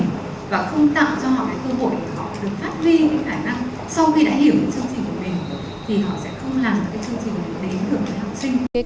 sau khi đã hiểu chương trình của mình thì họ sẽ không làm cái chương trình để hiểu về học sinh